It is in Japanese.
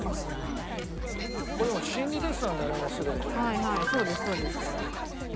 はいはいそうですそうです。